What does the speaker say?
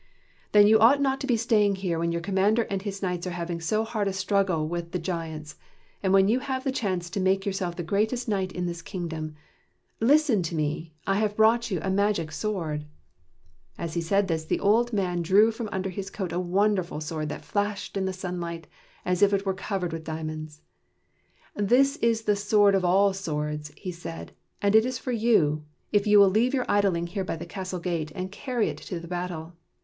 " Then you ought not to be staying here when your commander and his knights are having so hard a struggle with the giants, and when you have the chance to make of yourself the greatest knight in this kingdom. Listen to me! I have brought you a magic sword." 8 THE KNIGHTS OF THE SILVER SHIELD As he said this, the old man drew from under his coat a wonderful sword that flashed in the sunlight as if it were covered with diamonds. " This is the sword of all swords," he said, " and it is for you, if you will leave your idling here by the castle gate, and carry it to the battle.